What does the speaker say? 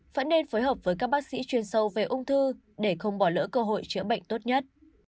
vẫn nên phối hợp với các bác sĩ chuyên sâu về ung thư để không bỏ lỡ cơ hội chữa bệnh tốt nhất